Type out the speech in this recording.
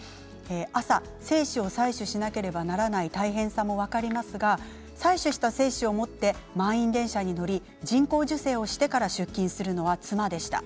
朝、精子を採取しなければならない大変さも分かりますが採取した精子を持って満員電車に乗り人工授精をしてから出勤するのは妻でした。